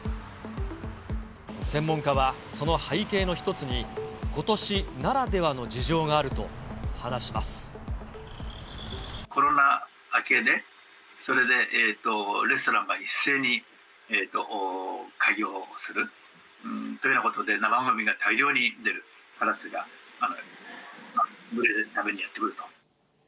専門家は、その背景の一つに、ことしならではの事情があると話コロナ明けで、それでレストランが一斉に開業する生ごみが大量に出る、カラスが群れで食べにやって来ると。